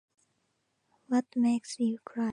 What makes you cry?